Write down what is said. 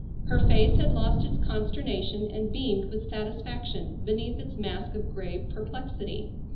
Her face had lost its consternation and beamed with satisfaction beneath its mask of grave perplexity.